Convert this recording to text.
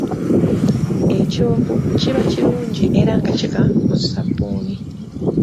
Ekyovu kiba kirungi era nga kiva mu ssabbuuni.